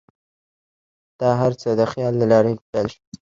دا هر څه د خیال له لارې پیل شول.